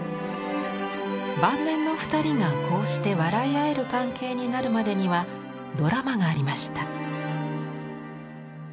晩年の２人がこうして笑い合える関係になるまでにはドラマがありました。